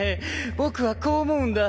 僕はこう思うんだ。